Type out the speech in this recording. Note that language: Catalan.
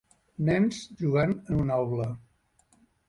Nens jugant en una aula.